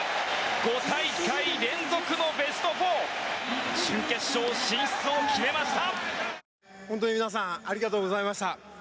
５大会連続のベスト４準決勝進出を決めました。